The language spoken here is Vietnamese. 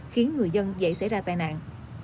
khiến người dân dễ xảy ra tai nạn